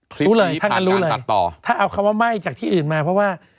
คลิปนี้ผ่านการตัดต่อถ้าเอาคำว่าไม่จากที่อื่นมาเพราะว่า